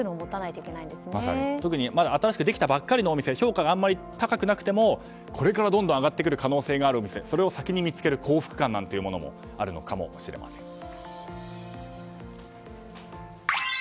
特にまだ新しくできたばかりのお店まだ評価が高くなくてもこれからどんどん上がってくる可能性があるお店それを先に見つける幸福感もあるのかもしれません。